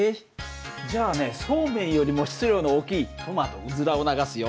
じゃあねそうめんよりも質量の大きいトマトうずらを流すよ。